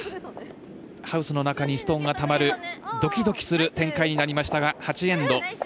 ハウスの中にストーンがたまるドキドキする展開になりましたが８エンド。